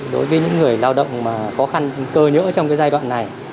đối với những người lao động mà khó khăn cơ nhỡ trong cái giai đoạn này